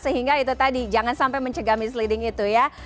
sehingga itu tadi jangan sampai mencegah misleading itu ya